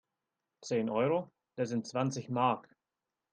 Zehn Euro? Das sind zwanzig Mark!